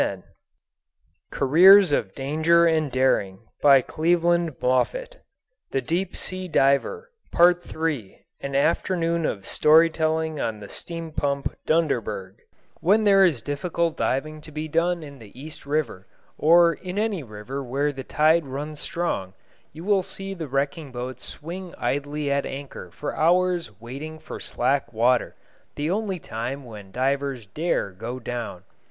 They are wrecks, they are dead, they are buried and yet they can move a little in the mud! III AN AFTERNOON OF STORY TELLING ON THE STEAM PUMP "DUNDERBERG" WHEN there is difficult diving to be done in the East River, or in any river where the tide runs strong, you will see the wrecking boats swing idly at anchor for hours waiting for slack water, the only time when divers dare go down.